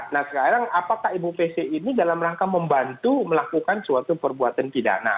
nah sekarang apakah ibu pc ini dalam rangka membantu melakukan suatu perbuatan pidana